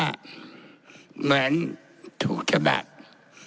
เหมือนทุกธบัตร